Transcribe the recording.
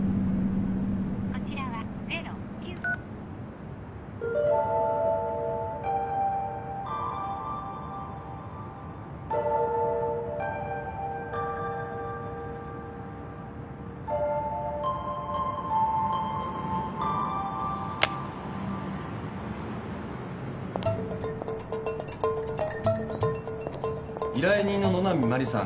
こちらは０９「依頼人の野波真理さん